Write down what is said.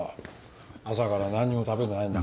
朝から何にも食べてないんだから。